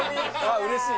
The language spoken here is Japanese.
うれしい！